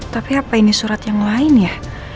tapi apa ini surat yang lain ya